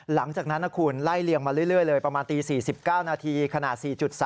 หลังจากนั้นนะคุณไล่เลียงมาเรื่อยเลยประมาณตี๔๙นาทีขนาด๔๓